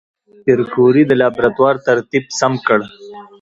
پېیر کوري د لابراتوار ترتیب سم کړ.